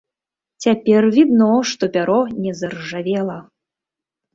Цяпер відно, што пяро не заржавела!